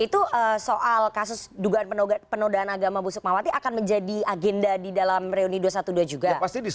itu soal kasus dugaan penodaan agama busuk mawati akan menjadi agenda di dalam reuni dua ratus dua belas juga